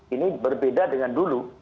ini berbeda dengan dulu